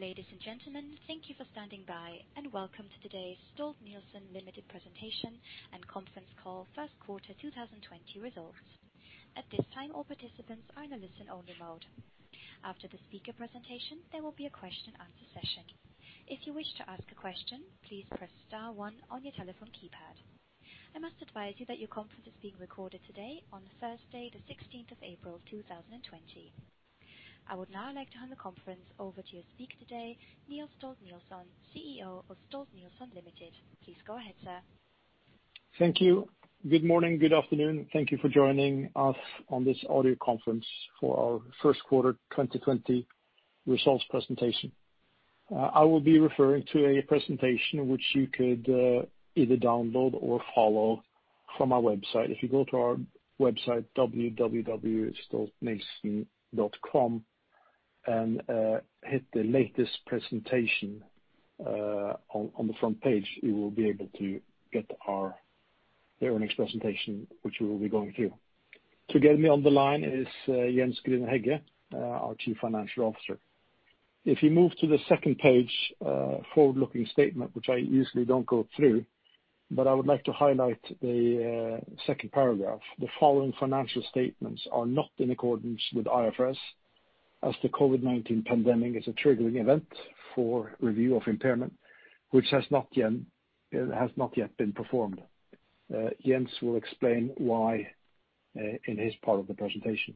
Ladies and gentlemen, thank you for standing by and welcome to today's Stolt-Nielsen Limited Presentation and Conference Call, First Quarter 2020 Results. At this time, all participants are in a listen-only mode. After the speaker presentation, there will be a question and answer session. If you wish to ask a question, please press star one on your telephone keypad. I must advise you that your conference is being recorded today on Thursday, the 16th of April, 2020. I would now like to hand the conference over to your speaker today, Niels Stolt-Nielsen, CEO of Stolt-Nielsen Limited. Please go ahead, sir. Thank you. Good morning, good afternoon. Thank you for joining us on this audio conference for our first quarter 2020 results presentation. I will be referring to a presentation which you could either download or follow from our website. You go to our website, www.stolt-nielsen.com and hit the latest presentation on the front page, you will be able to get our earnings presentation, which we will be going through. To get me on the line is Jens Grüner-Hegge, our Chief Financial Officer. You move to the second page, forward-looking statement, which I usually don't go through, but I would like to highlight the second paragraph. The following financial statements are not in accordance with IFRS as the COVID-19 pandemic is a triggering event for review of impairment, which has not yet been performed. Jens will explain why in his part of the presentation.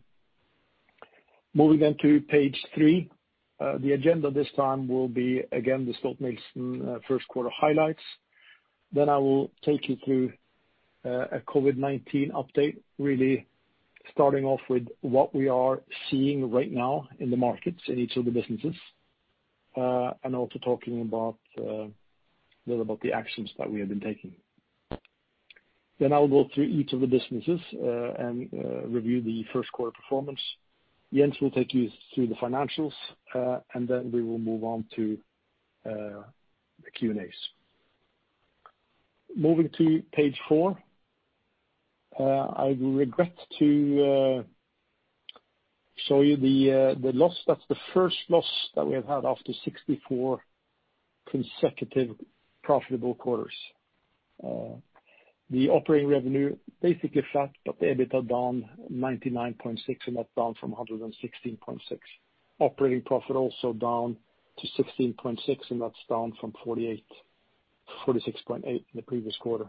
Moving to page three. The agenda this time will be again the Stolt-Nielsen first quarter highlights. I will take you through a COVID-19 update, really starting off with what we are seeing right now in the markets in each of the businesses, and also talking a little about the actions that we have been taking. I will go through each of the businesses and review the first quarter performance. Jens will take you through the financials, and then we will move on to the Q&As. Moving to page four. I regret to show you the loss. That's the first loss that we have had after 64 consecutive profitable quarters. The operating revenue basically flat, but the EBITDA down $99.6 million, and that's down from $116.6 million. Operating profit also down to $16.6 million, and that's down from $46.8 million in the previous quarter.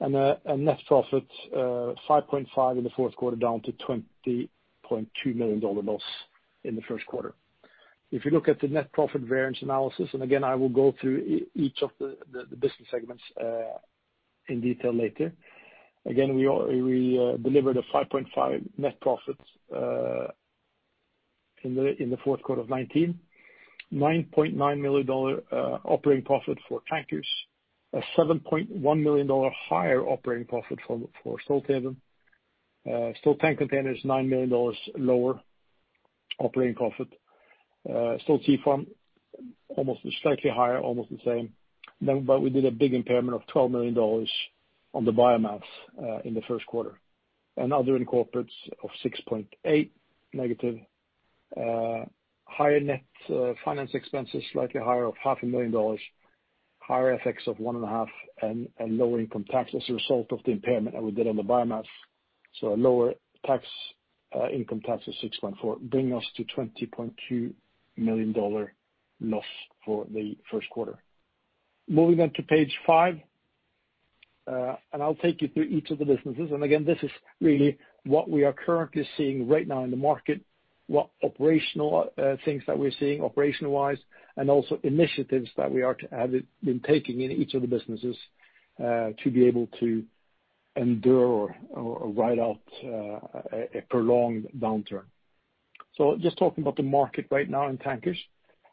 Net profit, $5.5 million in the fourth quarter down to $20.2 million loss in the first quarter. If you look at the net profit variance analysis, I will go through each of the business segments in detail later. We delivered a $5.5 million net profit in the fourth quarter of 2019, $9.9 million operating profit for Tankers, a $7.1 million higher operating profit for Stolthaven. Stolt Tank Containers, $9 million lower operating profit. Stolt Sea Farm, slightly higher, almost the same. We did a big impairment of $12 million on the biomass in the first quarter. Other incorporations of 6.8-. Higher net finance expenses, slightly higher of half a million dollars, higher FX of one and a half, and lower income tax as a result of the impairment that we did on the biomass. A lower income tax of 6.4, bringing us to $20.2 million loss for the first quarter. Moving on to page five. I'll take you through each of the businesses. Again, this is really what we are currently seeing right now in the market, what operational things that we are seeing operation-wise, and also initiatives that we have been taking in each of the businesses to be able to endure or ride out a prolonged downturn. Just talking about the market right now in Tankers.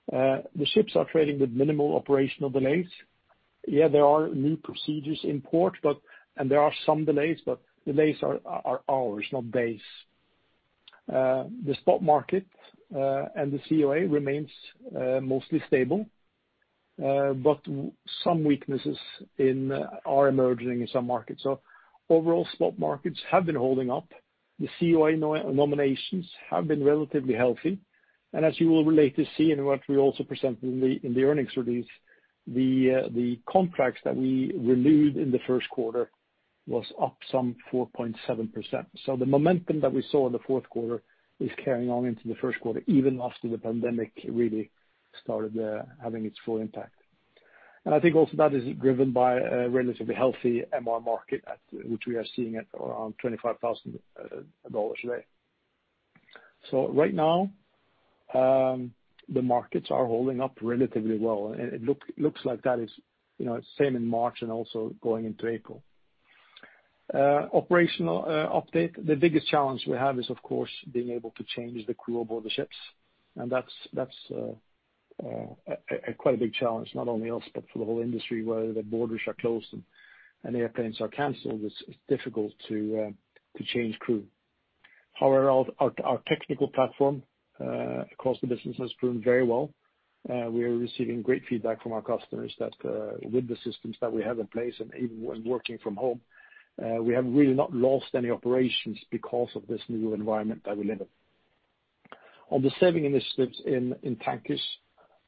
The ships are trading with minimal operational delays. Yeah, there are new procedures in port and there are some delays, but delays are hours, not days. The spot market and the COA remains mostly stable, but some weaknesses are emerging in some markets. Overall, spot markets have been holding up. The COA nominations have been relatively healthy. As you will later see in what we also present in the earnings release, the contracts that we renewed in the first quarter was up some 4.7%. The momentum that we saw in the fourth quarter is carrying on into the first quarter, even after the pandemic really started having its full impact. I think also that is driven by a relatively healthy MR market, which we are seeing at around $25,000 today. Right now, the markets are holding up relatively well, and it looks like that is same in March and also going into April. Operational update. The biggest challenge we have is of course, being able to change the crew aboard the ships. That's quite a big challenge, not only us, but for the whole industry where the borders are closed and airplanes are canceled, it's difficult to change crew. However, our technical platform across the business has proven very well. We are receiving great feedback from our customers that with the systems that we have in place and even when working from home, we have really not lost any operations because of this new environment that we live in. On the saving initiatives in Tankers,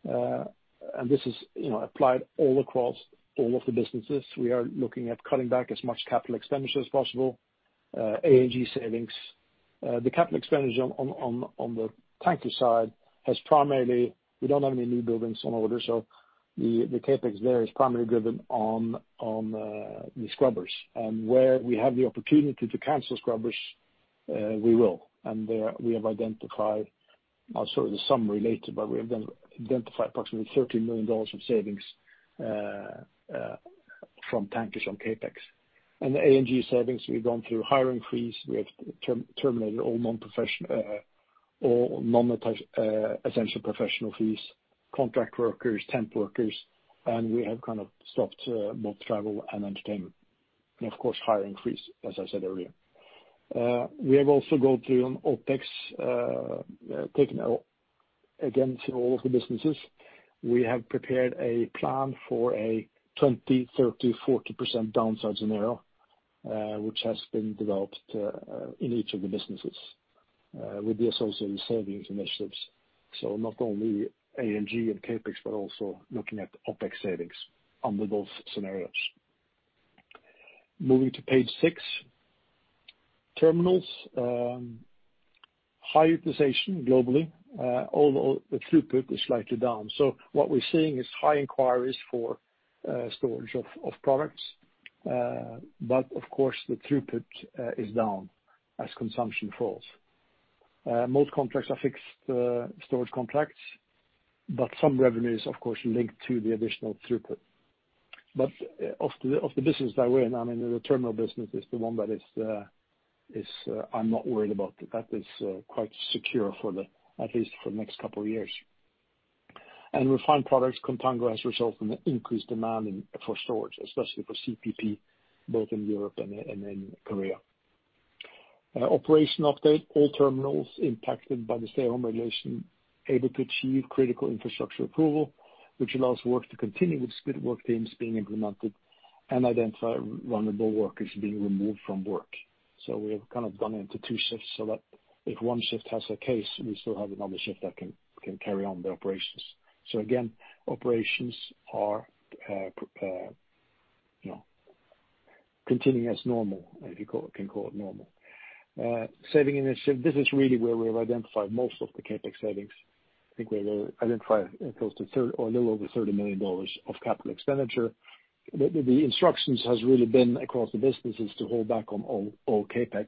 and this is applied all across all of the businesses. We are looking at cutting back as much capital expenditure as possible. A&G savings. The capital expenditure on the Tanker side, we don't have any new buildings on order, so the CapEx there is primarily driven on the scrubbers. Where we have the opportunity to cancel scrubbers, we will. We have identified, sorry, they're some related, but we have identified approximately $30 million of savings from Tankers on CapEx. In the A&G savings, we've gone through hiring freeze. We have terminated all non-essential professional fees, contract workers, temp workers, and we have kind of stopped all travel and entertainment. Of course, hiring freeze, as I said earlier. We have also gone through on OpEx, taken against all of the businesses. We have prepared a plan for a 20%, 30%, 40% downside scenario, which has been developed in each of the businesses with the associated savings initiatives. Not only A&G and CapEx, but also looking at OpEx savings under those scenarios. Moving to page six, Terminals. High utilization globally, although the throughput is slightly down. What we're seeing is high inquiries for storage of products. Of course, the throughput is down as consumption falls. Most contracts are fixed storage contracts, but some revenues, of course, link to the additional throughput. Of the business that we're in, I mean, the Terminals business is the one that I'm not worried about. That is quite secure, at least for the next couple of years. Refined products Contango has resulted in increased demand for storage, especially for CPP, both in Europe and in Korea. Operation update. All Terminals impacted by the stay-at-home regulation able to achieve critical infrastructure approval, which allows work to continue with split work teams being implemented and identified vulnerable workers being removed from work. We have kind of gone into two shifts, so that if one shift has a case, we still have another shift that can carry on the operations. Again, operations are continuing as normal, if you can call it normal. Saving initiative. This is really where we have identified most of the CapEx savings. I think we identified a little over $30 million of capital expenditure. The instructions have really been across the businesses to hold back on all CapEx,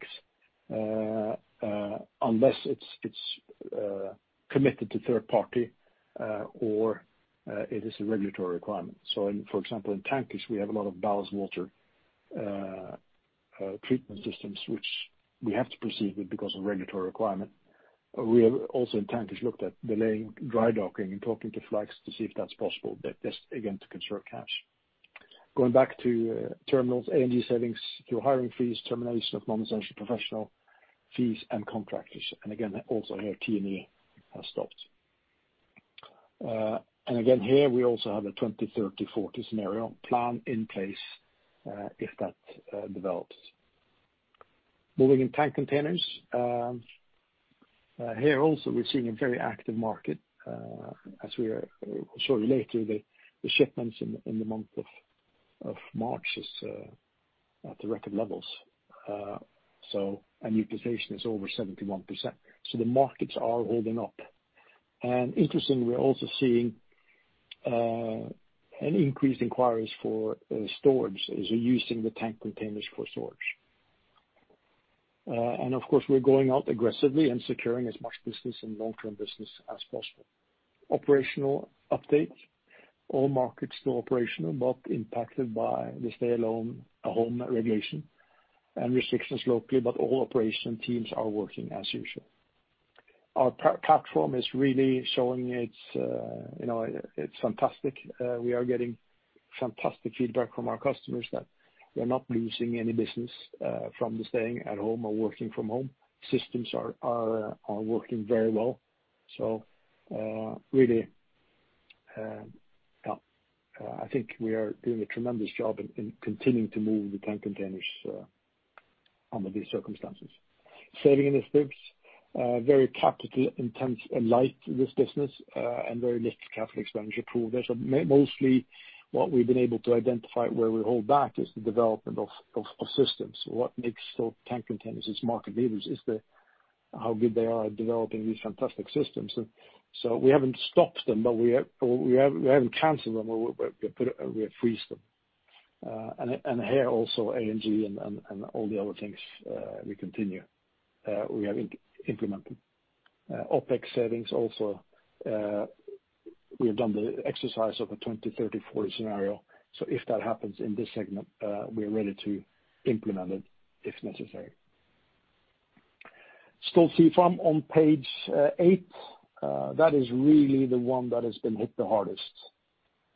unless it is committed to third party or it is a regulatory requirement. For example, in Tankers, we have a lot of ballast water treatment systems, which we have to proceed with because of regulatory requirement. We have also in Tankers looked at delaying dry docking and talking to flags to see if that is possible. That is again, to conserve cash. Going back to Terminals. A&G savings through hiring freeze, termination of non-essential professional fees and contractors. Again, also here, T&E has stopped. Again, here we also have a 20%, 30%, 40% scenario plan in place if that develops. Moving in Tank Containers. Here also we are seeing a very active market, as we will show you later, the shipments in the month of March is at record levels. Our utilization is over 71%. The markets are holding up. Interestingly, we are also seeing an increased inquiries for storage, is using the tank containers for storage. Of course, we are going out aggressively and securing as much business and long-term business as possible. Operational update. All markets still operational, but impacted by the stay-at-home regulation and restrictions locally, but all operation teams are working as usual. Our platform is really showing it's fantastic. We are getting fantastic feedback from our customers that we are not losing any business from the staying at home or working from home. Systems are working very well. Really, I think we are doing a tremendous job in continuing to move the Tank Containers under these circumstances. Saving initiatives. Very capital-intense and light this business, and very little capital expenditure pool there. Mostly what we've been able to identify where we hold back is the development of systems. What makes Stolt Tank Containers as market leaders is how good they are at developing these fantastic systems. We haven't stopped them, but we haven't canceled them, but we have freezed them. Here also, A&G and all the other things we continue, we have implemented. OpEx savings also, we have done the exercise of a 20%, 30%, 40% scenario. If that happens in this segment, we are ready to implement it if necessary. Stolt Sea Farm on page eight. That is really the one that has been hit the hardest.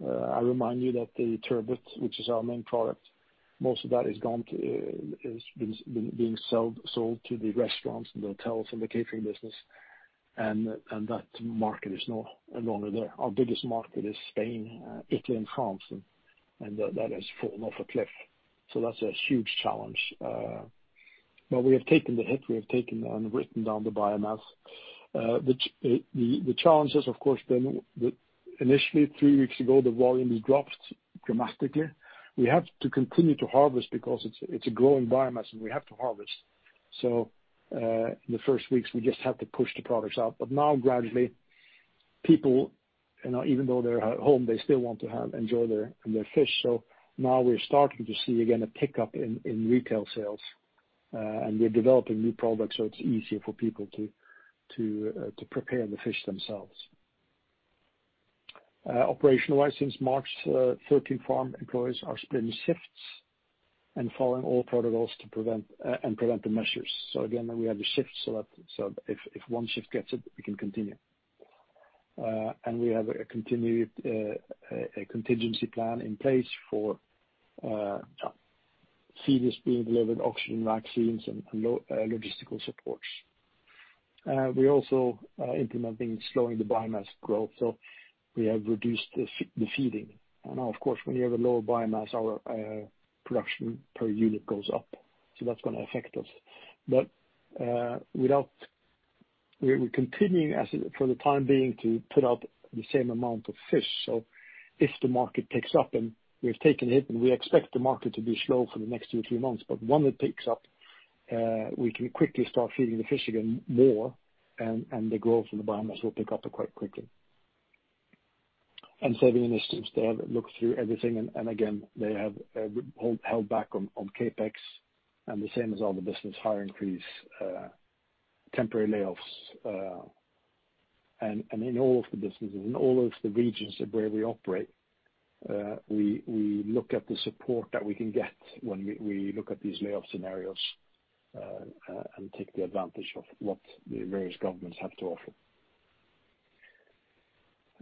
I remind you that the turbot, which is our main product, most of that is being sold to the restaurants and the hotels and the catering business. That market is no longer there. Our biggest market is Spain, Italy, and France, and that has fallen off a cliff. That's a huge challenge. We have taken the hit, we have taken and written down the biomass. The challenge has, of course, been that initially, three weeks ago, the volume has dropped dramatically. We have to continue to harvest because it's a growing biomass and we have to harvest. The first weeks, we just had to push the products out. Now, gradually, people, even though they're at home, they still want to enjoy their fish. Now we're starting to see, again, a pickup in retail sales, and we're developing new products so it's easier for people to prepare the fish themselves. Operationally, since March 13, farm employees are split in shifts and following all protocols and preventive measures. Again, we have the shifts so that if one shift gets it, we can continue. We have a contingency plan in place for feed is being delivered, oxygen, vaccines, and logistical supports. We're also implementing slowing the biomass growth, so we have reduced the feeding. Now, of course, when you have a lower biomass, our production per unit goes up, so that's going to affect us. We're continuing, for the time being, to put out the same amount of fish. If the market picks up, and we've taken a hit and we expect the market to be slow for the next two to three months, but when it picks up, we can quickly start feeding the fish again more and the growth in the biomass will pick up quite quickly. Saving initiatives, they have looked through everything and again, they have held back on CapEx, and the same as all the business hiring freeze, temporary layoffs. In all of the businesses, in all of the regions where we operate, we look at the support that we can get when we look at these layoff scenarios, and take the advantage of what the various governments have to offer.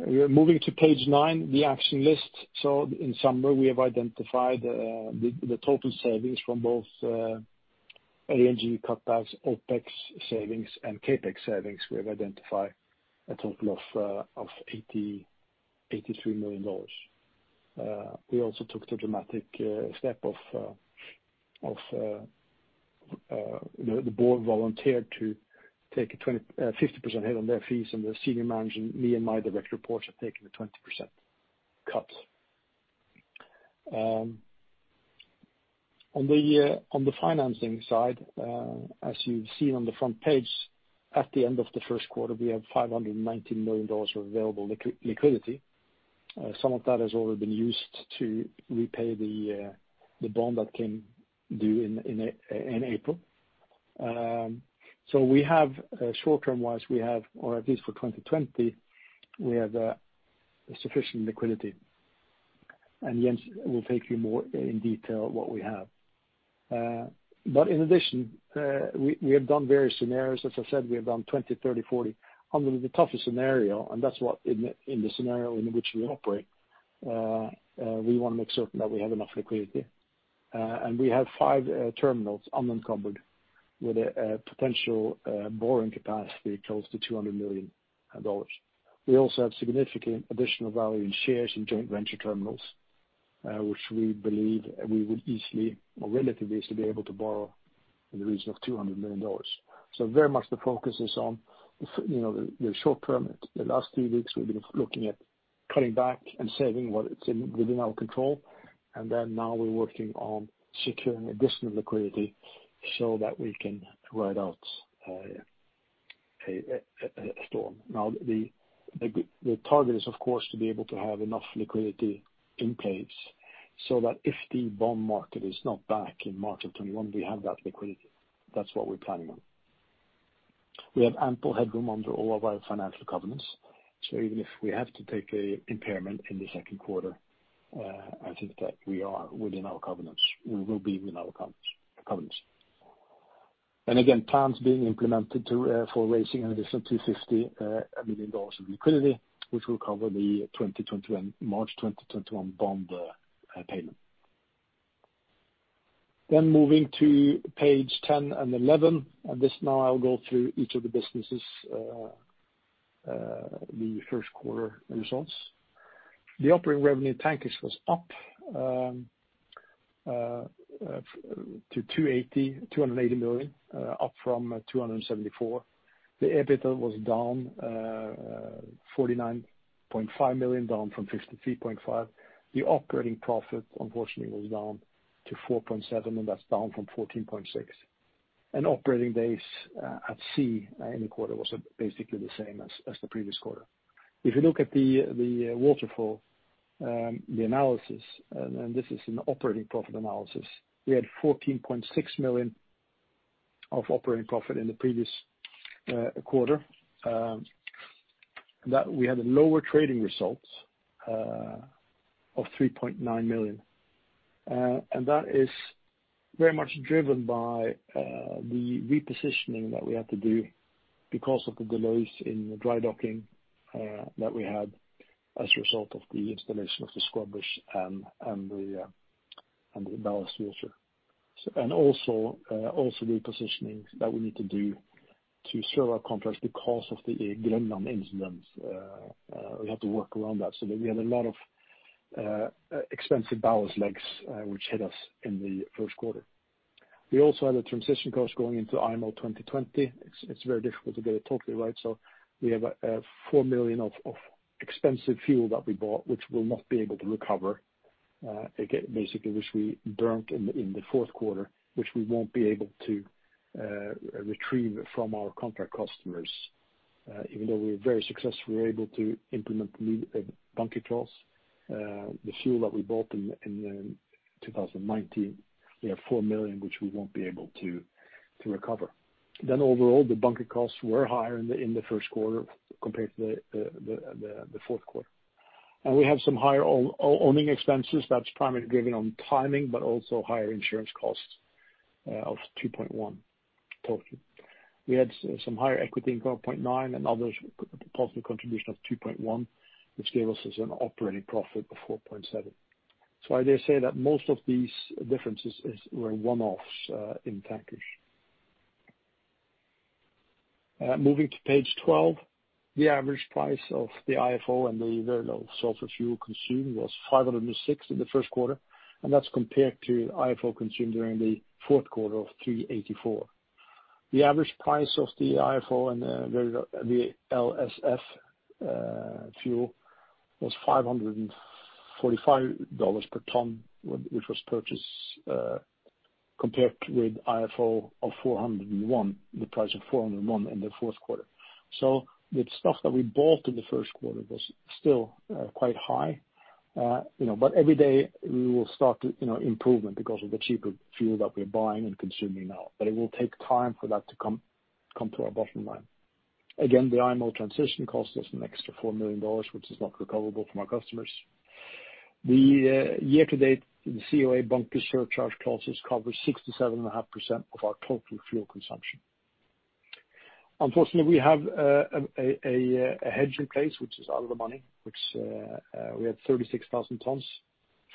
We are moving to page nine, the action list. In summary, we have identified the total savings from both A&G cutbacks, OpEx savings, and CapEx savings. We have identified a total of $83 million. We also took the dramatic step of the board volunteered to take a 50% hit on their fees and the senior management, me and my direct reports, have taken a 20% cut. On the financing side, as you've seen on the front page, at the end of the first quarter, we have $519 million of available liquidity. Some of that has already been used to repay the bond that came due in April. Short-term-wise, we have, or at least for 2020, we have sufficient liquidity. Jens will take you more in detail what we have. In addition, we have done various scenarios. As I said, we have done 20%, 30%, 40%. Under the toughest scenario, and that's in the scenario in which we operate, we want to make certain that we have enough liquidity. We have five terminals unencumbered with a potential borrowing capacity close to $200 million. We also have significant additional value in shares in joint venture terminals, which we believe we would easily or relatively easily be able to borrow in the region of $200 million. Very much the focus is on the short-term. The last three weeks we've been looking at cutting back and saving what is within our control, and then now we're working on securing additional liquidity so that we can ride out a storm. The target is, of course, to be able to have enough liquidity in place so that if the bond market is not back in March of 2021, we have that liquidity. That's what we're planning on. We have ample headroom under all of our financial covenants, so even if we have to take an impairment in the second quarter, I think that we are within our covenants. We will be within our covenants. Again, plans being implemented for raising an additional $250 million of liquidity, which will cover the March 2021 bond payment. Moving to page 10 and 11. This now I'll go through each of the businesses', the first quarter results. The operating revenue in Tankers was up to $280 million, up from $274 million. The EBITDA was down $49.5 million, down from $53.5 million. The operating profit, unfortunately, was down to $4.7 million, and that's down from $14.6 million. Operating days at sea in the quarter was basically the same as the previous quarter. If you look at the waterfall, the analysis, and this is an operating profit analysis, we had $14.6 million of operating profit in the previous quarter. We had lower trading results of $3.9 million. That is very much driven by the repositioning that we had to do because of the delays in the dry docking that we had as a result of the installation of the scrubbers and the ballast water. Also, the repositionings that we need to do to serve our contracts because of the Groenland incident. We have to work around that, so we have a lot of expensive ballast legs which hit us in the first quarter. We also had a transition cost going into IMO 2020. It's very difficult to get it totally right, so we have $4 million of expensive fuel that we bought, which we'll not be able to recover. Which we burnt in the fourth quarter, which we won't be able to retrieve from our contract customers. Even though we were very successfully able to implement new bunker clause. The fuel that we bought in 2019, we have $4 million, which we won't be able to recover. Overall, the bunker costs were higher in the first quarter compared to the fourth quarter. We have some higher owning expenses that's primarily driven on timing, but also higher insurance costs of $2.1 million totally. We had some higher equity in $12.9 million and others positive contribution of $2.1 million, which gave us as an operating profit of $4.7 million. I dare say that most of these differences were one-offs in Tankers. Moving to page 12. The average price of the IFO and the very low sulfur fuel consumed was $506 per ton in the first quarter, and that's compared to IFO consumed during the fourth quarter of $384 per ton. The average price of the IFO and the VLSF fuel was $545 per ton which was purchased, compared with IFO of $401 per ton, the price of $401 per ton in the fourth quarter. The stuff that we bought in the first quarter was still quite high. Every day we will start improvement because of the cheaper fuel that we are buying and consuming now. It will take time for that to come to our bottom line. Again, the IMO transition cost us an extra $4 million, which is not recoverable from our customers. The year-to-date, the COA bunker surcharge clauses cover 67.5% of our total fuel consumption. Unfortunately, we have a hedge in place which is out of the money, which we had 36,000 tons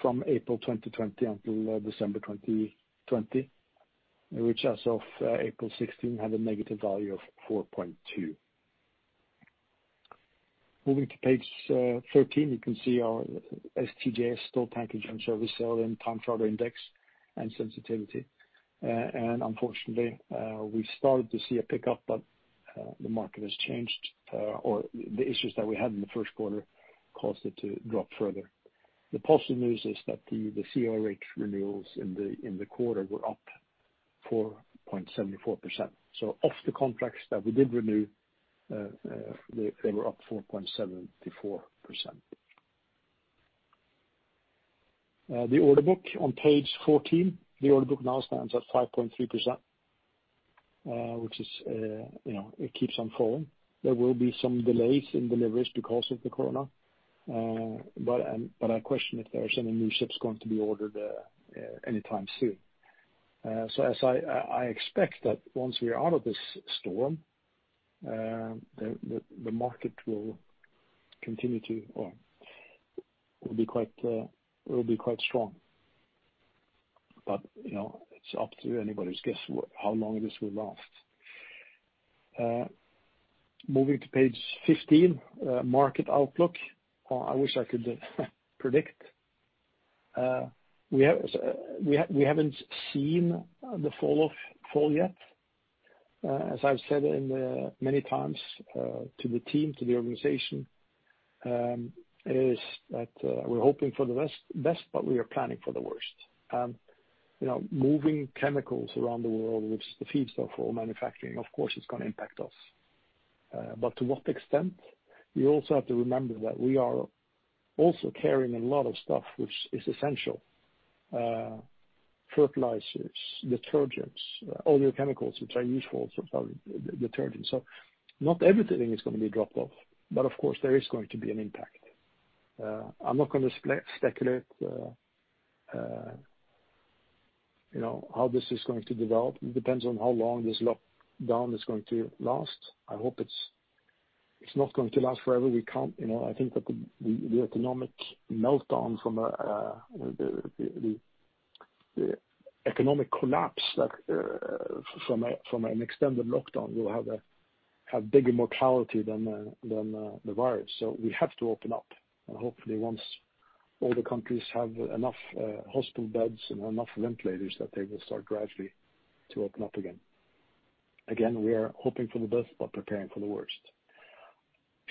from April 2020 until December 2020, which, as of April 16, had a negative value of $4.2 million. Moving to page 13, you can see our STJS, Stolt Tankers Joint Service Sailed-in Time Charter Index and sensitivity. Unfortunately, we started to see a pickup, but the market has changed, or the issues that we had in the first quarter caused it to drop further. The positive news is that the COA renewals in the quarter were up 4.74%. So of the contracts that we did renew, they were up 4.74%. The order book on page 14. The order book now stands at 5.3%, which it keeps on falling. There will be some delays in deliveries because of the COVID-19. I question if there are so many new ships going to be ordered anytime soon. As I expect that once we are out of this storm, the market will be quite strong. It's up to anybody's guess how long this will last. Moving to page 15, market outlook. I wish I could predict. We haven't seen the fall off fall yet. As I've said many times, to the team, to the organization, is that we are hoping for the best, but we are planning for the worst. Moving chemicals around the world, which is the feedstock for all manufacturing, of course, it's going to impact us. To what extent? We also have to remember that we are also carrying a lot of stuff, which is essential. Fertilizers, detergents, all the chemicals which are used for detergents. Not everything is going to be dropped off. Of course, there is going to be an impact. I'm not going to speculate how this is going to develop. It depends on how long this lockdown is going to last. I hope it's not going to last forever. I think that the economic meltdown from the economic collapse from an extended lockdown will have bigger mortality than the virus. We have to open up. Hopefully, once all the countries have enough hospital beds and enough ventilators, that they will start gradually to open up again. Again, we are hoping for the best but preparing for the worst.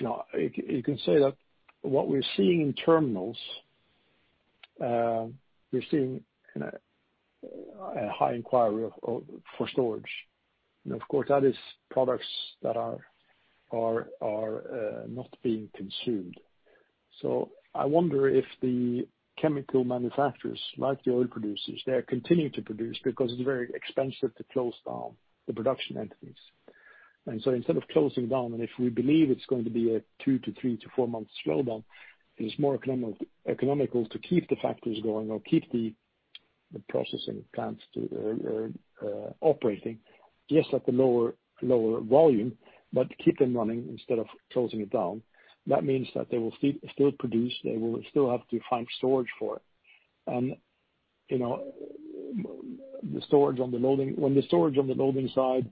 You can say that what we're seeing in terminals, we are seeing a high inquiry for storage. Of course, that is products that are not being consumed. I wonder if the chemical manufacturers, like the oil producers, they are continuing to produce because it's very expensive to close down the production entities. Instead of closing down, and if we believe it's going to be a two to three to four months slowdown, it is more economical to keep the factories going or keep the processing plants operating, just at the lower volume, but keep them running instead of closing it down. That means that they will still produce, they will still have to find storage for it. When the storage on the loading side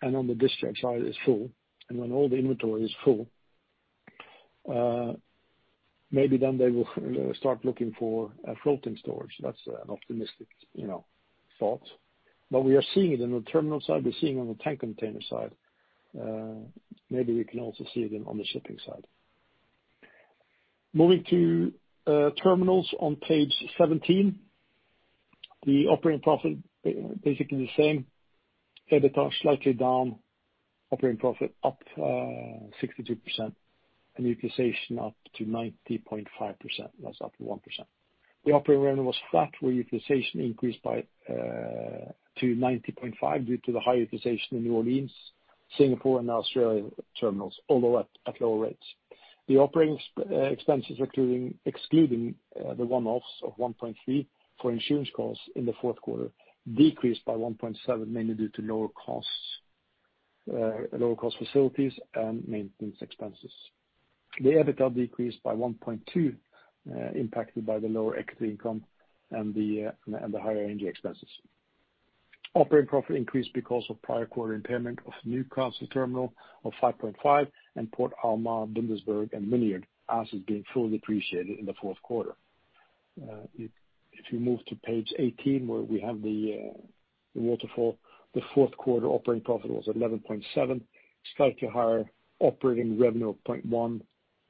and on the discharge side is full. When all the inventory is full, maybe then they will start looking for floating storage. That's an optimistic thought. We are seeing it in the terminal side, we're seeing on the tank container side. Maybe we can also see it on the shipping side. Moving to terminals on page 17. The operating profit, basically the same. EBITDA slightly down, operating profit up 62%, and utilization up to 90.5%. That's up to 1%. The operating revenue was flat, where utilization increased to 90.5% due to the high utilization in New Orleans, Singapore and Australia terminals, although at lower rates. The operating expenses, excluding the one-offs of $1.3 million for insurance costs in the fourth quarter, decreased by $1.7 million, mainly due to lower cost facilities and maintenance expenses. The EBITDA decreased by $1.2 million, impacted by the lower equity income and the higher energy expenses. Operating profit increased because of prior quarter impairment of Newcastle Terminal of $5.5 million and Port Alma, Bundaberg and Wynyard as is being fully depreciated in the fourth quarter. If you move to page 18 where we have the waterfall, the fourth quarter operating profit was $11.7 million, slightly higher operating revenue of $0.1,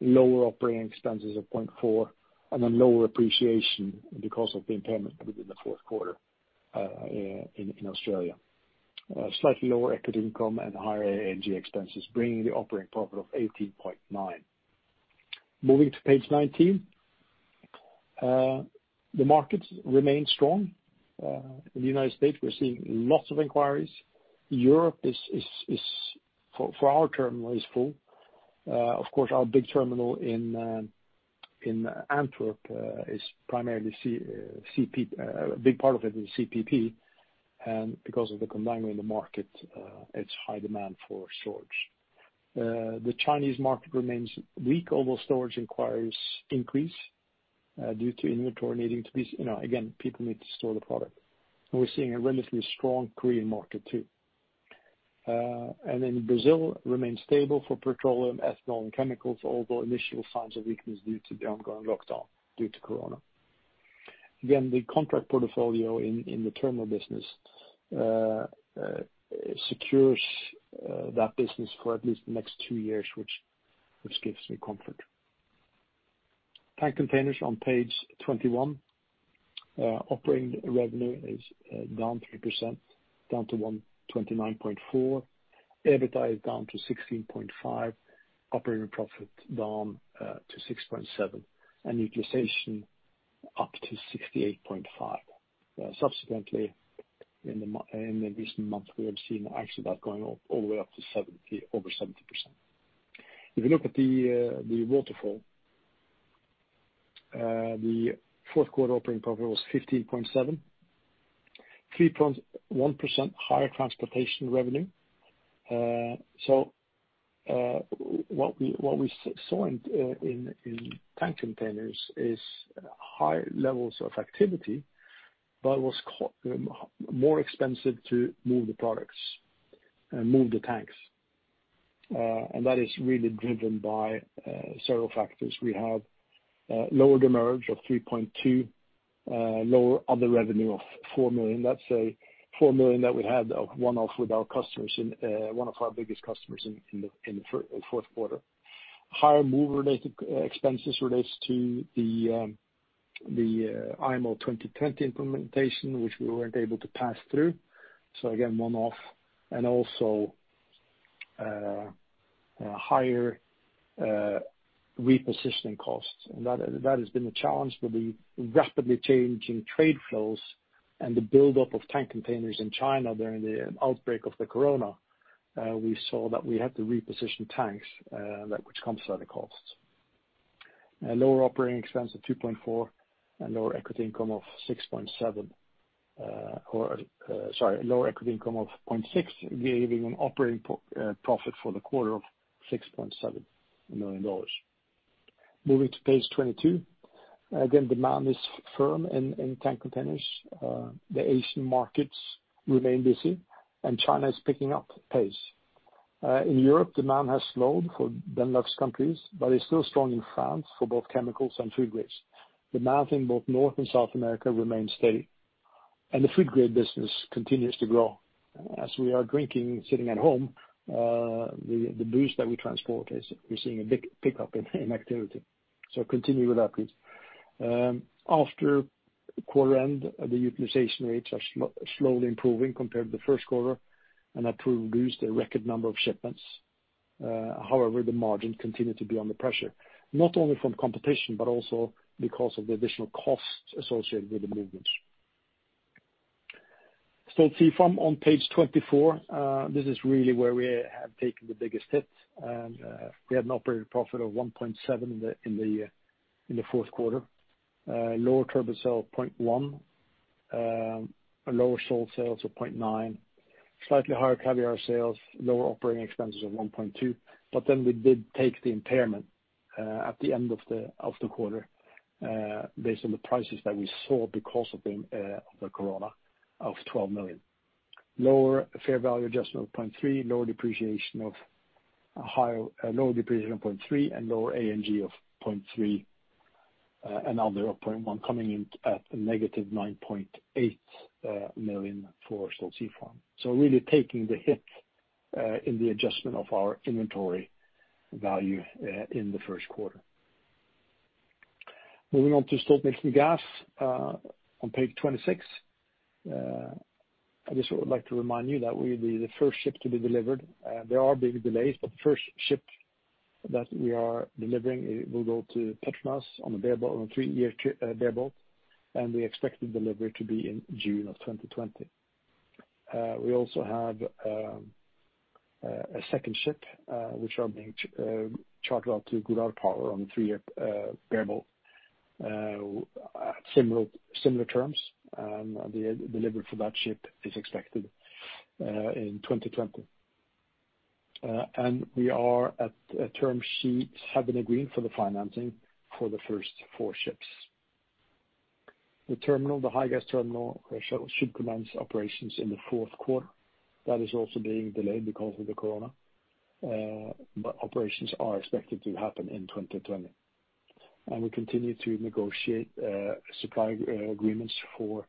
lower operating expenses of $0.4, lower appreciation because of the impairment within the fourth quarter in Australia. Slightly lower equity income. Higher A&G expenses, bringing the operating profit of $18.9. Moving to page 19. The markets remain strong. In the United States, we're seeing lots of inquiries. Europe, for our terminal, is full. Of course, our big terminal in Antwerp, a big part of it is CPP. Because of the Contango in the market, it's high demand for storage. The Chinese market remains weak, although storage inquiries increase due to inventory needing to be. Again, people need to store the product. We're seeing a relatively strong Korean market, too. Brazil remains stable for petroleum, ethanol, and chemicals, although initial signs of weakness due to the ongoing lockdown due to COVID. The contract portfolio in the terminal business secures that business for at least the next two years, which gives me comfort. Tank Containers on page 21. Operating revenue is down 3%, down to $129.4 million. EBITDA is down to $16.5 million, operating profit down to $6.7 million, and utilization up to 68.5%. In the recent month, we have seen actually that going up all the way up to over 70%. If you look at the waterfall, the fourth quarter operating profit was $15.7 million, 3.1% higher transportation revenue. What we saw in Tank Containers is high levels of activity, but it was more expensive to move the products and move the tanks. That is really driven by several factors. We have lower demurrage of $3.2, lower other revenue of $4 million. That's a $4 million that we had of one-off with our customers, one of our biggest customers in the fourth quarter. Higher fuel-related expenses relates to the IMO 2020 implementation, which we weren't able to pass through. Again, one-off, and also higher repositioning costs. That has been a challenge with the rapidly changing trade flows and the buildup of Tank Containers in China during the outbreak of the COVID-19. We saw that we had to reposition tanks, which comes at a cost. Lower operating expense of $2.4 and lower equity income of $0.6, giving an operating profit for the quarter of $6.7 million. Moving to page 22. Again, demand is firm in Tank Containers. The Asian markets remain busy and China is picking up pace. In Europe, demand has slowed for Benelux countries, but is still strong in France for both chemicals and food grades. Demand in both North and South America remains steady, and the food grade business continues to grow. As we are drinking sitting at home, the booze that we transport, we are seeing a big pickup in activity. Continue with upwards. After quarter end, the utilization rates are slowly improving compared to the first quarter and that will reduce the record number of shipments. However, the margin continued to be under pressure, not only from competition, but also because of the additional costs associated with the movements. Stolt Sea Farm on page 24. This is really where we have taken the biggest hit, and we had an operating profit of $1.7 million in the fourth quarter. Lower turbot sale of $0.1 million, lower sole sales of $0.9 million, slightly higher caviar sales, lower operating expenses of $1.2 million. We did take the impairment at the end of the quarter based on the prices that we saw because of the corona of $12 million. Lower fair value adjustment of $0.3 million, lower depreciation of $0.3 million, and lower A&G of $0.3 million and other $0.1 million coming in at a -$9.8 million for Stolt Sea Farm. Really taking the hit in the adjustment of our inventory value in the first quarter. Moving on to Stolt-Nielsen Gas, on page 26. I just would like to remind you that we're the first ship to be delivered. There are big delays, but the first ship that we are delivering will go to Petronas on a three-year bareboat, and we expect the delivery to be in June of 2020. We also have a second ship which are being chartered out to Golar Power on a three-year bareboat, similar terms. The delivery for that ship is expected in 2020. We are at term sheets having agreed for the financing for the first four ships. The terminal, the HIGAS terminal, should commence operations in the fourth quarter. That is also being delayed because of the corona. Operations are expected to happen in 2020. We continue to negotiate supply agreements for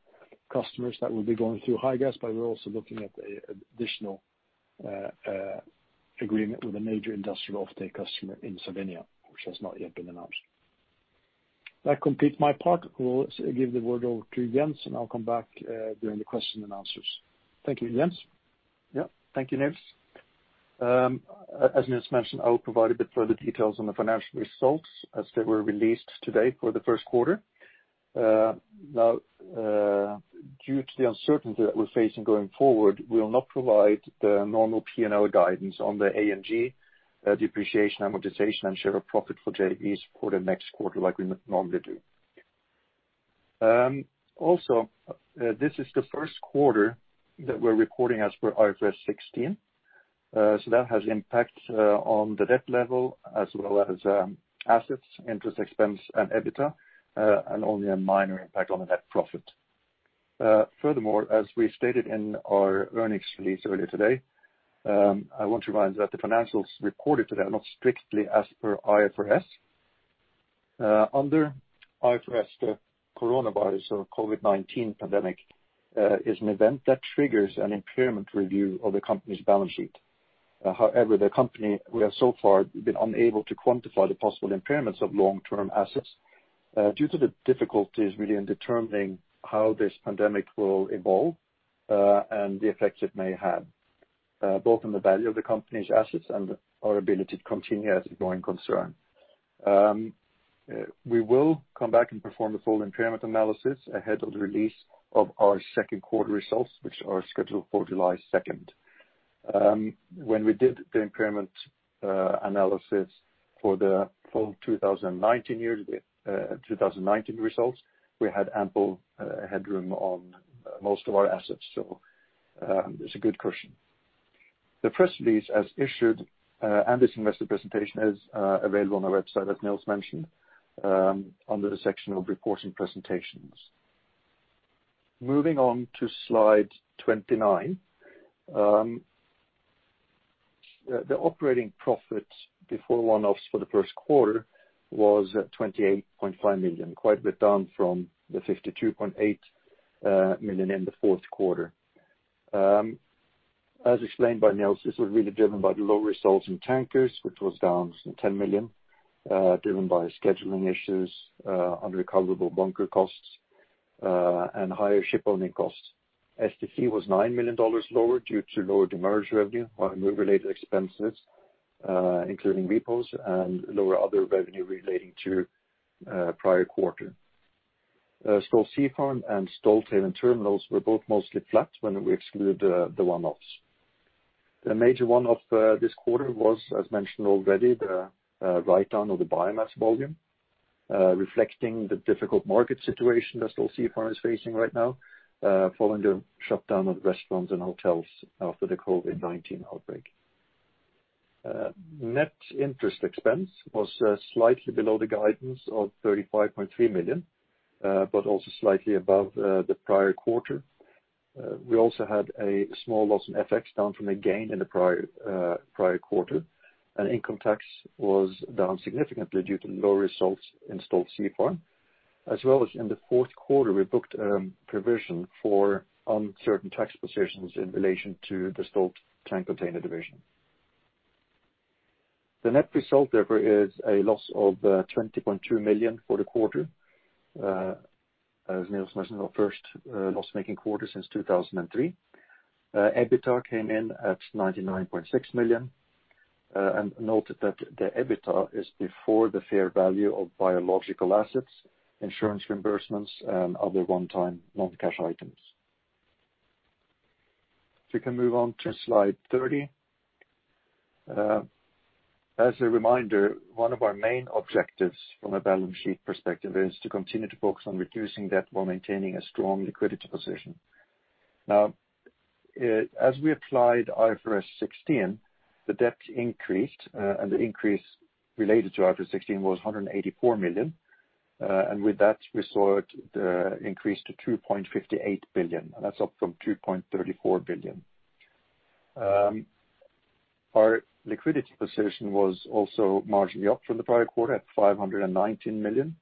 customers that will be going through HIGAS, but we're also looking at additional agreement with a major industrial offtake customer in Slovenia, which has not yet been announced. That completes my part. I will give the word over to Jens, and I'll come back during the question and answers. Thank you. Jens? Thank you, Niels. As Niels mentioned, I will provide a bit further details on the financial results as they were released today for the first quarter. Due to the uncertainty that we're facing going forward, we will not provide the normal P&L guidance on the A&G depreciation, amortization, and share of profit for JVs for the next quarter like we normally do. This is the first quarter that we're recording as per IFRS 16. That has impact on the debt level as well as assets, interest expense and EBITDA, and only a minor impact on the net profit. As we stated in our earnings release earlier today, I want to remind you that the financials reported today are not strictly as per IFRS. Under IFRS, the coronavirus or COVID-19 pandemic is an event that triggers an impairment review of the company's balance sheet. The company, we have so far been unable to quantify the possible impairments of long-term assets due to the difficulties really in determining how this pandemic will evolve, and the effects it may have, both on the value of the company's assets and our ability to continue as a going concern. We will come back and perform the full impairment analysis ahead of the release of our second quarter results, which are scheduled for July 2nd. When we did the impairment analysis for the full 2019 results, we had ample headroom on most of our assets. It's a good question. The press release as issued, and this investor presentation is available on our website, as Niels mentioned, under the section of reporting presentations. Moving on to slide 29. The operating profit before one-offs for the first quarter was $28.5 million, quite a bit down from the $52.8 million in the fourth quarter. As explained by Niels, this was really driven by the low results in Tankers, which was down $10 million, driven by scheduling issues, unrecoverable bunker costs, and higher shipowning costs. STC was $9 million lower due to lower demurrage revenue or move-related expenses, including repos and lower other revenue relating to prior quarter. Stolt Sea Farm and Stolthaven Terminals were both mostly flat when we exclude the one-offs. The major one-off this quarter was, as mentioned already, the write-down of the biomass volume, reflecting the difficult market situation that Stolt Sea Farm is facing right now following the shutdown of restaurants and hotels after the COVID-19 outbreak. Net interest expense was slightly below the guidance of $35.3 million but also slightly above the prior quarter. We also had a small loss in FX down from a gain in the prior quarter, and income tax was down significantly due to lower results in Stolt Sea Farm, as well as in the fourth quarter, we booked a provision for uncertain tax positions in relation to the Stolt Tank Containers division. The net result, therefore, is a loss of $20.2 million for the quarter. As Niels mentioned, our first loss-making quarter since 2003. EBITDA came in at $99.6 million. Note that the EBITDA is before the fair value of biological assets, insurance reimbursements, and other one-time non-cash items. If we can move on to slide 30. As a reminder, one of our main objectives from a balance sheet perspective is to continue to focus on reducing debt while maintaining a strong liquidity position. As we applied IFRS 16, the debt increased, and the increase related to IFRS 16 was $184 million. With that, we saw it increase to $2.58 billion, and that's up from $2.34 billion. Our liquidity position was also marginally up from the prior quarter at $519 million.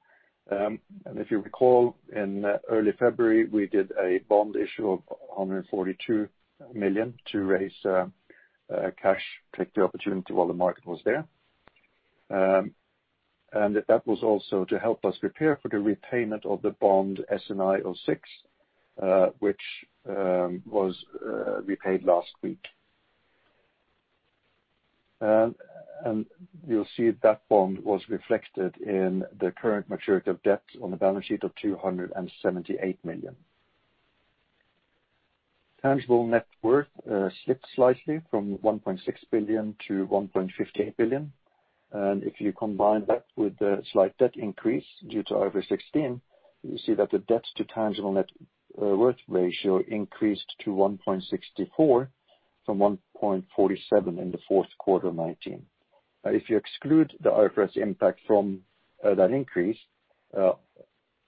If you recall, in early February, we did a bond issue of $142 million to raise cash, take the opportunity while the market was there. That was also to help us prepare for the repayment of the bond SNI06, which was repaid last week. You'll see that bond was reflected in the current maturity of debt on the balance sheet of $278 million. Tangible net worth slipped slightly from $1.6 billion to $1.58 billion. If you combine that with the slight debt increase due to IFRS 16, you see that the debt-to-tangible-net worth ratio increased to 1.64 from 1.47 in the fourth quarter 2019. If you exclude the IFRS impact from that increase,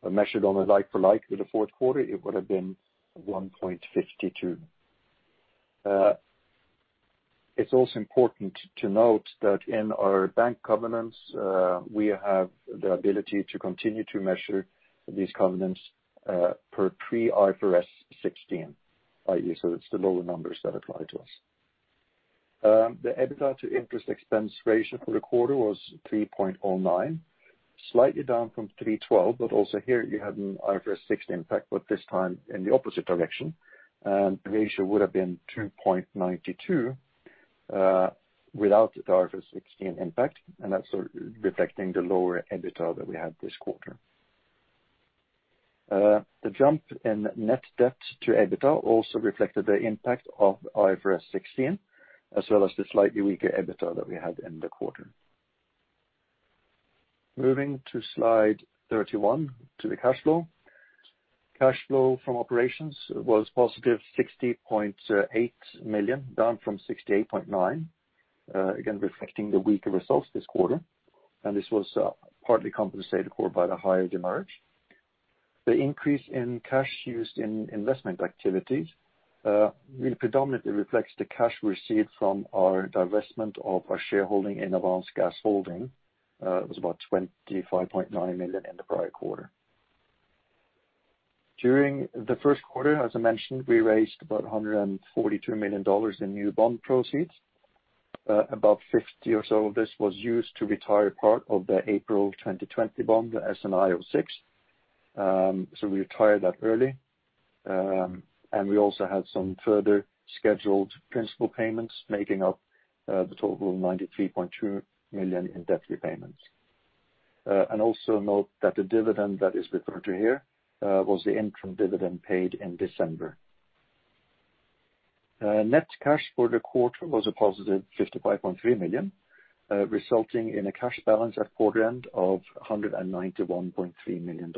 measured on a like for like with the fourth quarter, it would have been 1.52. It's also important to note that in our bank covenants, we have the ability to continue to measure these covenants per pre-IFRS 16. It's the lower numbers that apply to us. The EBITDA to interest expense ratio for the quarter was 3.09, slightly down from 3.12, but also here you had an IFRS 16 impact, but this time in the opposite direction. The ratio would have been 2.92 without the IFRS 16 impact, and that's reflecting the lower EBITDA that we had this quarter. The jump in net debt to EBITDA also reflected the impact of IFRS 16, as well as the slightly weaker EBITDA that we had in the quarter. Moving to slide 31, to the cash flow. Cash flow from operations was positive $60.8 million, down from $68.9 million, again, reflecting the weaker results this quarter. This was partly compensated for by the higher demurrage. The increase in cash used in investment activities predominantly reflects the cash received from our divestment of our shareholding in Avance Gas Holding. It was about $25.9 million in the prior quarter. During the first quarter, as I mentioned, we raised about $142 million in new bond proceeds. About 50 or so of this was used to retire part of the April 2020 bond, the SNI06. We retired that early. We also had some further scheduled principal payments, making up the total of $93.2 million in debt repayments. Also note that the dividend that is referred to here was the interim dividend paid in December. Net cash for the quarter was a +$55.3 million, resulting in a cash balance at quarter end of $191.3 million.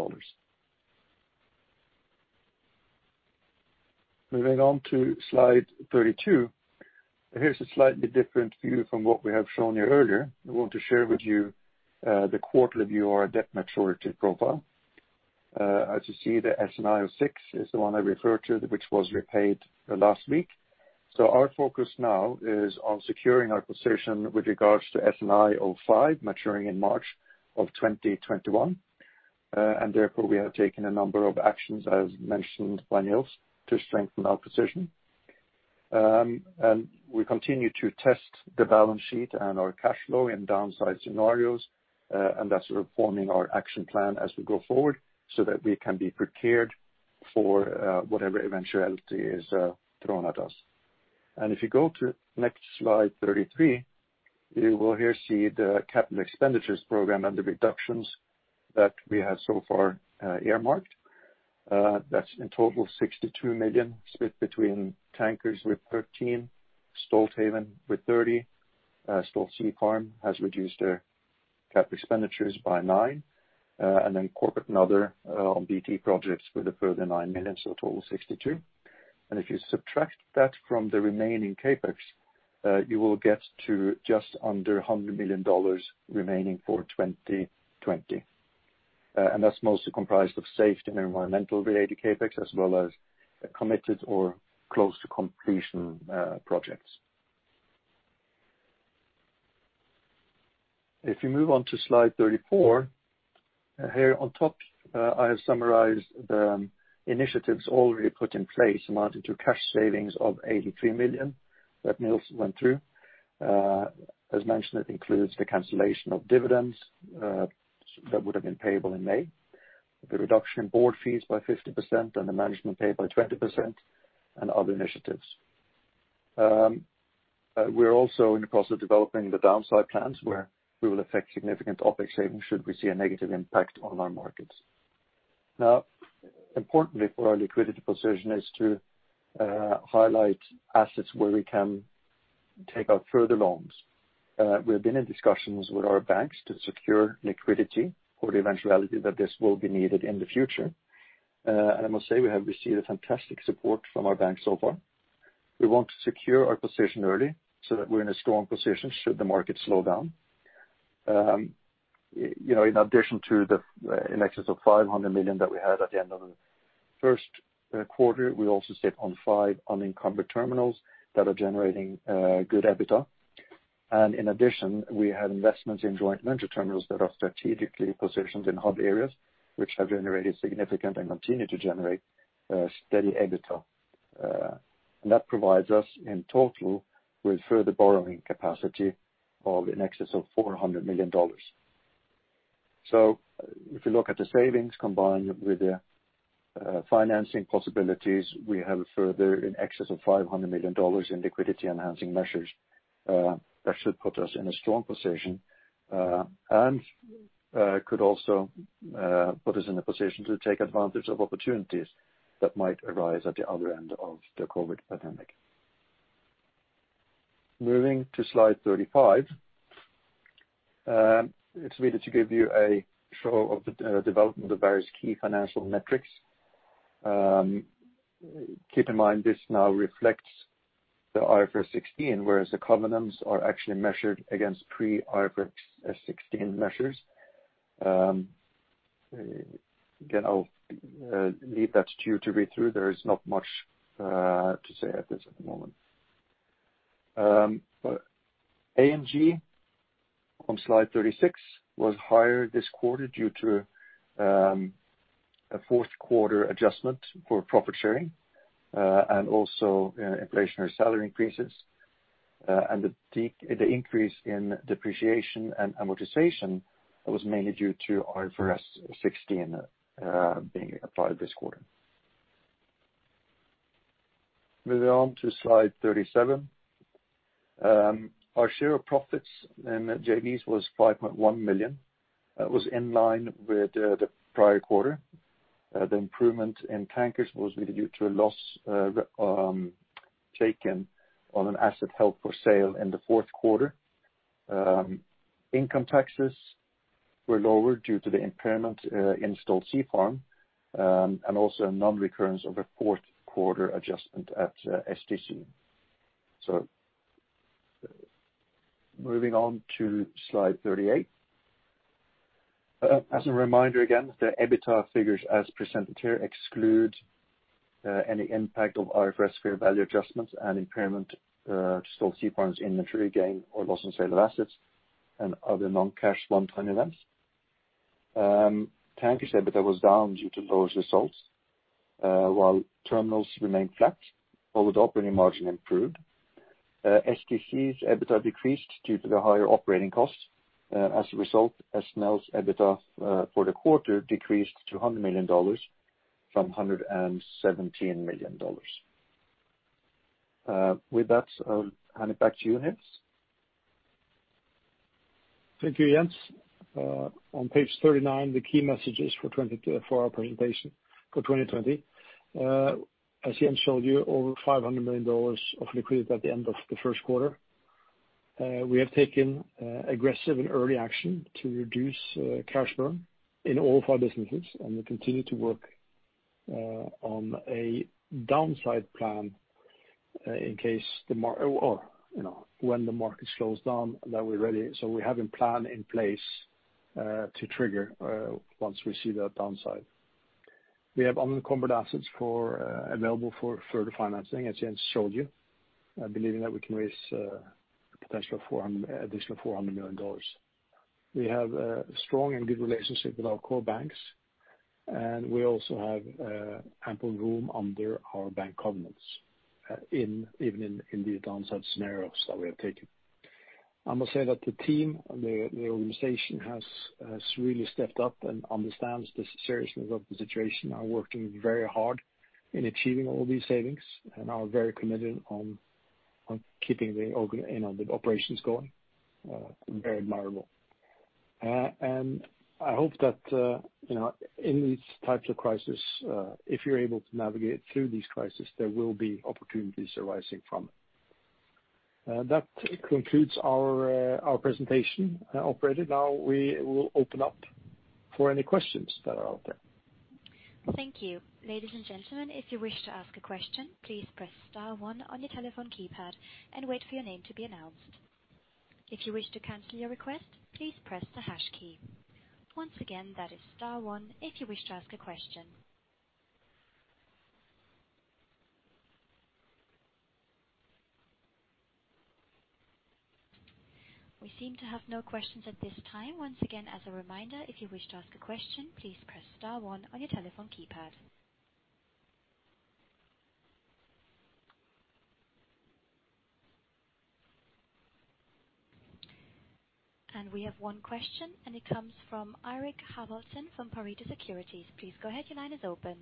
Moving on to slide 32. Here is a slightly different view from what we have shown you earlier. We want to share with you the quarterly view of our debt maturity profile. As you see, the SNI06 is the one I referred to, which was repaid last week. Our focus now is on securing our position with regards to SNI05 maturing in March of 2021. Therefore, we have taken a number of actions, as mentioned by Niels, to strengthen our position. We continue to test the balance sheet and our cash flow in downside scenarios, and thus reforming our action plan as we go forward so that we can be prepared for whatever eventuality is thrown at us. If you go to next slide 33, you will here see the capital expenditures program and the reductions that we have so far earmarked. That's in total $62 million split between Tankers with $13, Stolthaven with $30. Stolt Sea Farm has reduced their capital expenditures by $9. Then Corporate and Other on IT projects with a further $9 million, so total of $62. If you subtract that from the remaining CapEx, you will get to just under $100 million remaining for 2020. That's mostly comprised of safety and environmental related CapEx as well as committed or close to completion projects. If you move on to slide 34, here on top, I have summarized the initiatives already put in place amounting to cash savings of $83 million that Niels went through. As mentioned, it includes the cancellation of dividends that would have been payable in May, the reduction in board fees by 50% and the management pay by 20%, and other initiatives. We are also in the process of developing the downside plans, where we will affect significant OpEx savings should we see a negative impact on our markets. Now, importantly for our liquidity position is to highlight assets where we can take out further loans. We have been in discussions with our banks to secure liquidity for the eventuality that this will be needed in the future. I must say, we have received a fantastic support from our banks so far. We want to secure our position early so that we're in a strong position should the market slow down. In addition to the excess of $500 million that we had at the end of the first quarter, we also sit on five unencumbered terminals that are generating good EBITDA. In addition, we have investments in joint venture terminals that are strategically positioned in hub areas, which have generated significant, and continue to generate, steady EBITDA. That provides us, in total, with further borrowing capacity of in excess of $400 million. If you look at the savings combined with the financing possibilities, we have a further in excess of $500 million in liquidity enhancing measures. That should put us in a strong position, and could also put us in a position to take advantage of opportunities that might arise at the other end of the COVID pandemic. Moving to slide 35. It's really to give you a show of the development of various key financial metrics. Keep in mind, this now reflects the IFRS 16, whereas the covenants are actually measured against pre-IFRS 16 measures. Again, I'll leave that to you to read through. There is not much to say at this moment. A&G on slide 36 was higher this quarter due to a fourth quarter adjustment for profit sharing, and also inflationary salary increases. The increase in depreciation and amortization was mainly due to IFRS 16 being applied this quarter. Moving on to slide 37. Our share of profits in JVs was $5.1 million. That was in line with the prior quarter. The improvement in Tankers was really due to a loss taken on an asset held for sale in the fourth quarter. Income taxes were lower due to the impairment in Stolt Sea Farm, and also a non-recurrence of a fourth quarter adjustment at STC. Moving on to slide 38. As a reminder, again, the EBITDA figures as presented here exclude any impact of IFRS fair value adjustments and impairment to Stolt Sea Farm's inventory gain or loss on sale of assets and other non-cash one-time events. Tankers' EBITDA was down due to lower results, while Terminals remained flat, although the operating margin improved. STC's EBITDA decreased due to the higher operating costs. As a result, SNL's EBITDA for the quarter decreased to $100 million from $117 million. With that, I'll hand it back to you, Niels. Thank you, Jens. On page 39, the key messages for our presentation for 2020. As Jens showed you, over $500 million of liquidity at the end of the first quarter. We have taken aggressive and early action to reduce cash burn in all of our businesses, and we continue to work on a downside plan when the market slows down, that we're ready. We have a plan in place to trigger once we see that downside. We have unencumbered assets available for further financing, as Jens showed you. Believing that we can raise a potential additional $400 million. We have a strong and good relationship with our core banks, and we also have ample room under our bank covenants, even in the downside scenarios that we have taken. I must say that the team, the organization, has really stepped up and understands the seriousness of the situation, are working very hard in achieving all these savings, and are very committed on keeping the operations going. Very admirable. I hope that in these types of crises, if you're able to navigate through these crises, there will be opportunities arising from it. That concludes our presentation. Operator, now we will open up for any questions that are out there. Thank you. Ladies and gentlemen, if you wish to ask a question, please press star one on your telephone keypad and wait for your name to be announced. If you wish to cancel your request, please press the hash key. Once again, that is star one if you wish to ask a question. We seem to have no questions at this time. Once again, as a reminder, if you wish to ask a question, please press star one on your telephone keypad. We have one question, and it comes from Eirik Haavaldsen from Pareto Securities. Please go ahead, your line is open.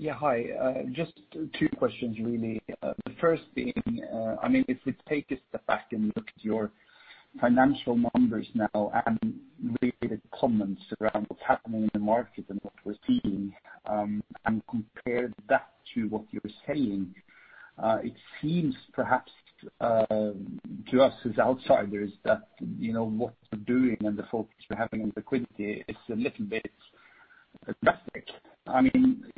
Yeah. Hi. Just two questions, really. The first being, if we take a step back and look at your financial numbers now and related comments around what's happening in the market and what we're seeing, and compare that to what you're saying. It seems perhaps, to us as outsiders, that what you're doing and the focus you're having on liquidity is a little bit drastic.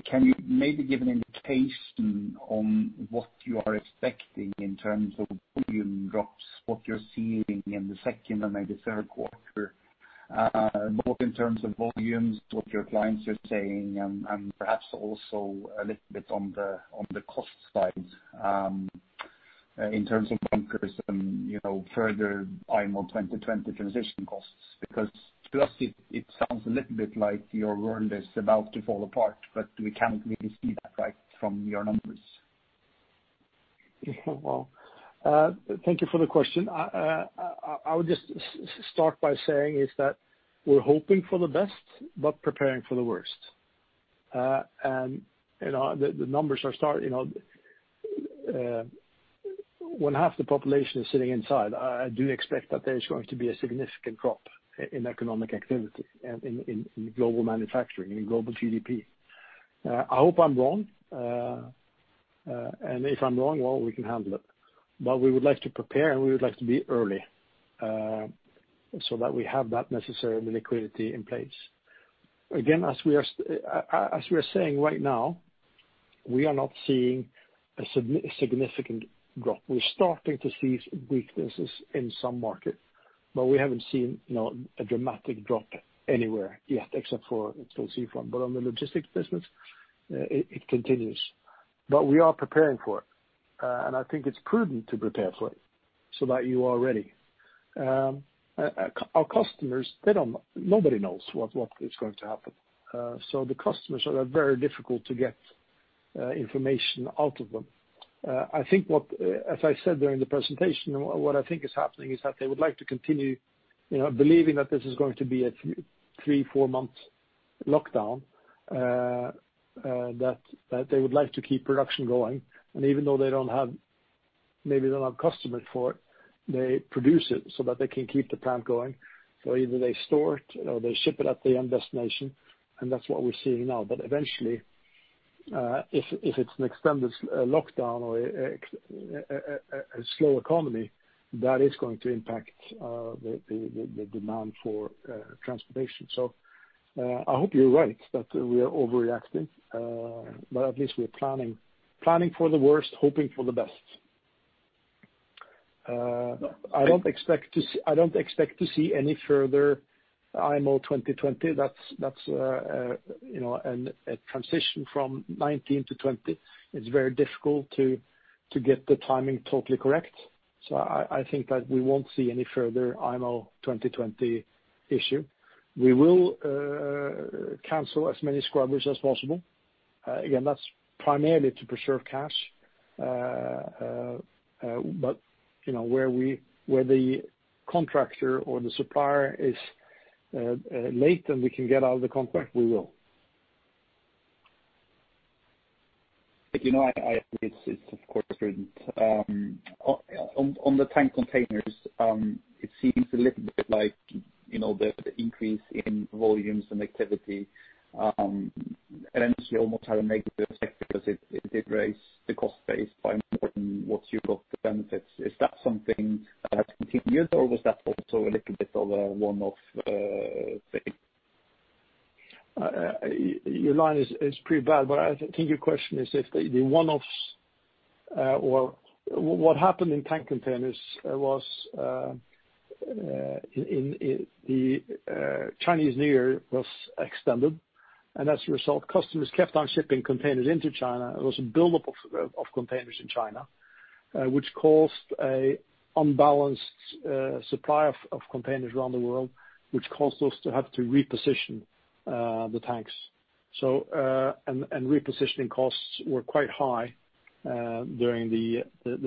Can you maybe give an indication on what you are expecting in terms of volume drops, what you're seeing in the second and maybe third quarter? Both in terms of volumes, what your clients are saying, and perhaps also a little bit on the cost side, in terms of bunkers and further IMO 2020 transition costs. To us, it sounds a little bit like your world is about to fall apart, but we can't really see that from your numbers. Well, thank you for the question. I would just start by saying is that we're hoping for the best, but preparing for the worst. One half the population is sitting inside. I do expect that there's going to be a significant drop in economic activity and in global manufacturing, in global GDP. I hope I'm wrong. If I'm wrong, well, we can handle it. We would like to prepare, and we would like to be early, so that we have that necessary liquidity in place. Again, as we are saying right now, we are not seeing a significant drop. We're starting to see weaknesses in some market, but we haven't seen a dramatic drop anywhere yet, except for Stolt Sea Farm. On the logistics business, it continues. We are preparing for it, and I think it's prudent to prepare for it so that you are ready. Our customers, nobody knows what is going to happen. The customers are very difficult to get information out of them. As I said during the presentation, what I think is happening is that they would like to continue believing that this is going to be a three, four-month lockdown, that they would like to keep production going. Even though they don't have customers for it, they produce it so that they can keep the plant going. Either they store it or they ship it at the end destination. That's what we're seeing now. Eventually, if it's an extended lockdown or a slow economy, that is going to impact the demand for transportation. I hope you're right that we are overreacting. At least we are planning for the worst, hoping for the best. I don't expect to see any further IMO 2020. That's a transition from 2019 to 2020. It's very difficult to get the timing totally correct. I think that we won't see any further IMO 2020 issue. We will cancel as many scrubbers as possible. Again, that's primarily to preserve cash. Where the contractor or the supplier is late and we can get out of the contract, we will. It's of course prudent. On the tank containers, it seems a little bit like the increase in volumes and activity, and actually almost had a negative effect because it did raise the cost base by more than what you got the benefits. Is that something that has continued or was that also a little bit of a one-off thing? Your line is pretty bad. I think your question is if the one-offs or what happened in Tank Containers was, the Chinese New Year was extended, and as a result, customers kept on shipping containers into China. There was a buildup of containers in China, which caused a unbalanced supply of containers around the world, which caused us to have to reposition the tanks. Repositioning costs were quite high during the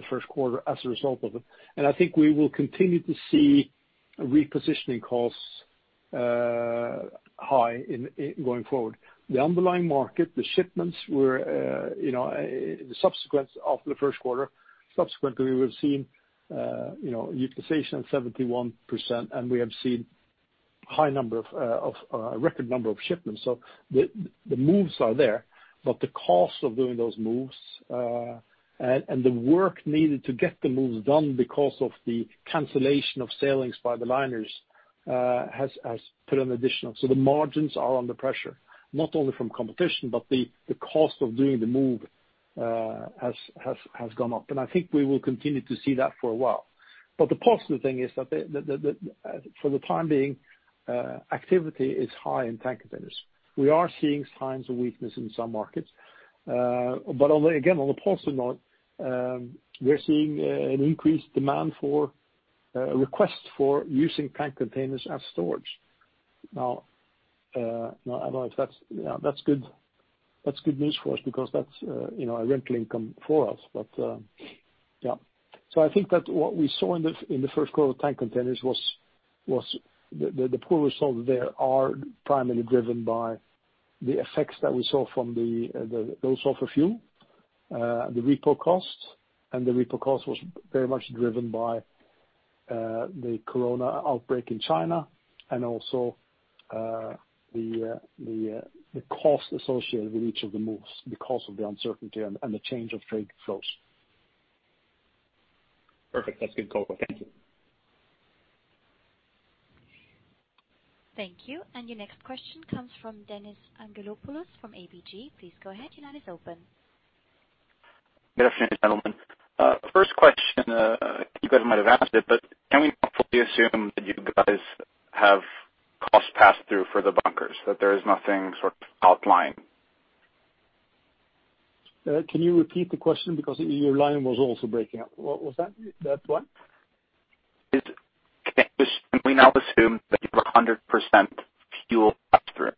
first quarter as a result of it. I think we will continue to see repositioning costs high going forward. The underlying market, the shipments were, the subsequent after the first quarter, subsequently, we've seen utilization of 71%, and we have seen a record number of shipments. The moves are there, but the cost of doing those moves, and the work needed to get the moves done because of the cancellation of sailings by the liners, has put an additional. The margins are under pressure, not only from competition, but the cost of doing the move has gone up. I think we will continue to see that for a while. The positive thing is that for the time being, activity is high in tank containers. We are seeing signs of weakness in some markets. Again, on a positive note, we are seeing an increased demand for requests for using tank containers as storage. That's good news for us because that's a rental income for us. I think that what we saw in the first quarter with Tank Containers was. The poor results there are primarily driven by the effects that we saw from the low sulfur fuel, the repo cost, and the repo cost was very much driven by the corona outbreak in China and also the cost associated with each of the moves because of the uncertainty and the change of trade flows. Perfect. That's good, Stolt. Thank you. Thank you. Your next question comes from Dennis Anghelopoulos from ABG. Please go ahead. Your line is open. Good afternoon, gentlemen. First question, you guys might have answered it, but can we hopefully assume that you guys have cost pass-through for the bunkers, that there is nothing sort of outlined? Can you repeat the question because your line was also breaking up. What was that? That one. Can we now assume that you're 100% fuel pass-through?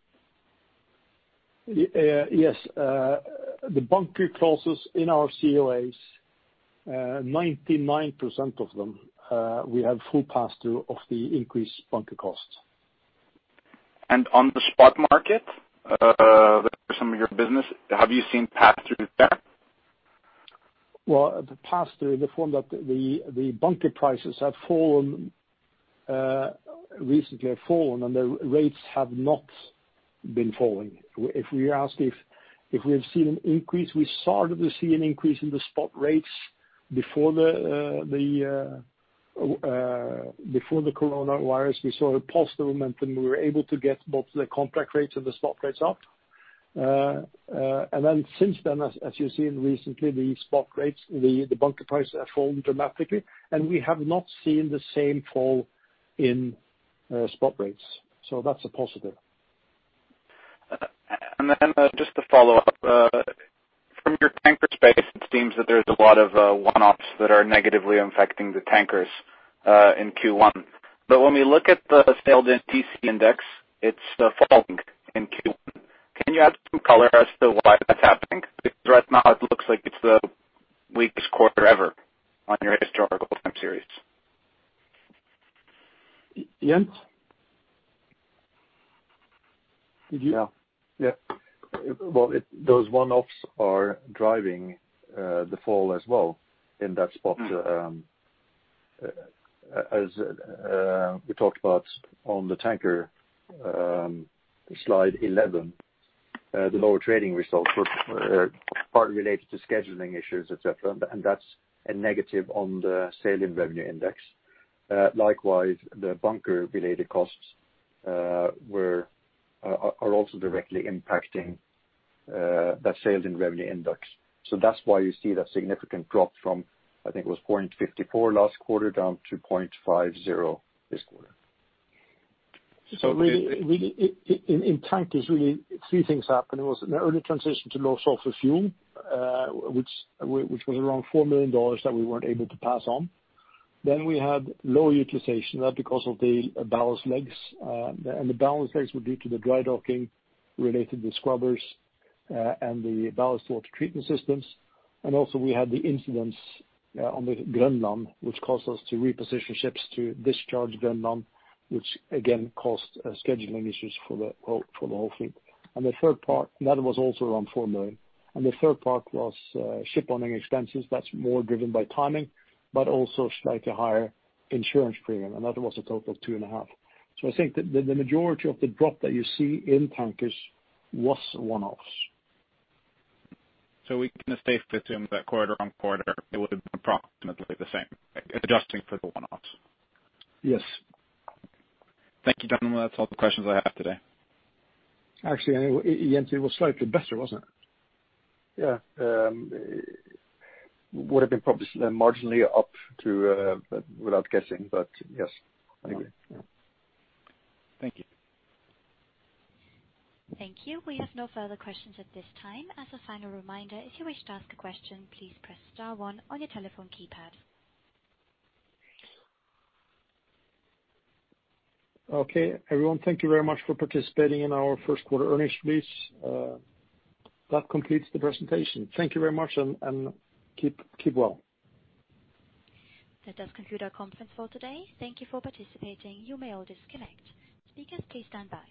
Yes. The bunker clauses in our COAs, 99% of them, we have full pass-through of the increased bunker costs. On the spot market, for some of your business, have you seen pass-through there? Well, the pass-through in the form that the bunker prices recently have fallen and the rates have not been falling. If we are asked if we have seen an increase, we started to see an increase in the spot rates before the coronavirus. We saw a positive momentum. We were able to get both the contract rates and the spot rates up. Since then, as you've seen recently, the bunker prices have fallen dramatically, and we have not seen the same fall in spot rates. That's a positive. just to follow up, from your tanker space, it seems that there's a lot of one-offs that are negatively impacting the tankers in Q1. When we look at the sailed-in TC index, it's falling in Q1. Can you add some color as to why that's happening? Because right now it looks like it's the weakest quarter ever on your historical time series. Jens? Did you- Yeah. Well, those one-offs are driving the fall as well in that spot. As we talked about on the tanker, slide 11, the lower trading results were partly related to scheduling issues, et cetera, and that's a negative on the sailed-in revenue index. Likewise, the bunker related costs are also directly impacting that sailed-in revenue index. That's why you see that significant drop from, I think it was 0.54 last quarter down to 0.50 this quarter. Really, in tankers, really three things happened. It was an early transition to low sulfur fuel, which was around $4 million that we weren't able to pass on. We had low utilization. That was because of the ballast legs. The ballast legs were due to the dry docking related to scrubbers, and the ballast water treatment systems. Also we had the incidents on the Groenland, which caused us to reposition ships to discharge Groenland, which again caused scheduling issues for the whole fleet. That was also around $4 million. The third part was ship owning expenses. That's more driven by timing, but also slightly higher insurance premium, and that was a total of $2.5 million. I think the majority of the drop that you see in tankers was one-offs. We can safely assume that quarter-on-quarter it would have been approximately the same, adjusting for the one-offs. Yes. Thank you, gentlemen. That's all the questions I have today. Actually, Jens, it was slightly better, wasn't it? Yeah. Would have been probably marginally up to, but without guessing, but yes, I agree. Yeah. Thank you. Thank you. We have no further questions at this time. As a final reminder, if you wish to ask a question, please press star one on your telephone keypad. Okay, everyone, thank you very much for participating in our first quarter earnings release. That completes the presentation. Thank you very much, and keep well. That does conclude our conference for today. Thank you for participating. You may all disconnect. Speakers, please stand by.